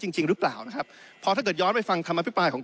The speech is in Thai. จริงจริงหรือเปล่านะครับพอถ้าเกิดย้อนไปฟังคำอภิปรายของ